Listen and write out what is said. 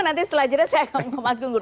nanti setelah itu saya akan mau masuk ke gunggur